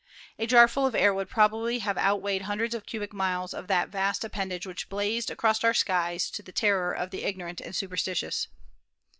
A jarful of air would probably have outweighed hundreds of cubic miles of that vast appendage which blazed across our skies to the terror of the ignorant and superstitious.